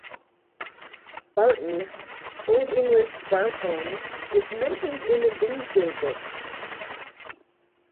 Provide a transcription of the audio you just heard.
Barton, Old English "Bartone", is mentioned in the Domesday Book.